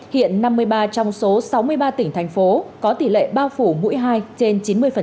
hiện năm mươi ba trong số sáu mươi ba tỉnh thành phố có tỷ lệ bao phủ mũi hai trên chín mươi